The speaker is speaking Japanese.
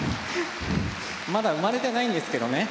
まだ生まれてないんですけどね。